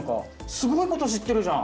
すごいこと知ってるじゃん。